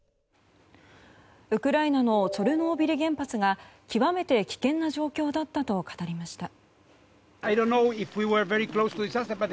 ウクライナのチョルノービリ原発が極めて危険な状況だったと語りました。